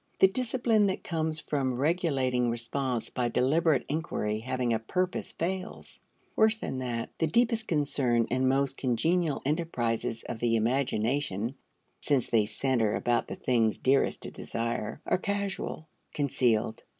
The discipline that comes from regulating response by deliberate inquiry having a purpose fails; worse than that, the deepest concern and most congenial enterprises of the imagination (since they center about the things dearest to desire) are casual, concealed.